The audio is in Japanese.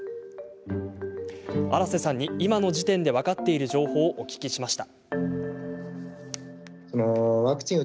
荒瀬さんに今の時点で分かっている情報をお聞きしました。